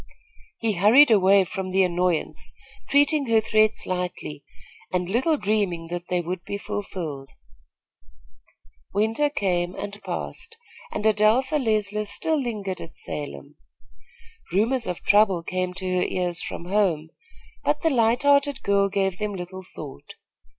He hurried away from the annoyance, treating her threats lightly, and little dreaming that they would be fulfilled. Winter came and passed, and Adelpha Leisler still lingered at Salem. Rumors of trouble came to her ears from home; but the light hearted girl gave them little thought.